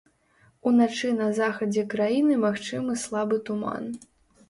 Уначы на захадзе краіны магчымы слабы туман.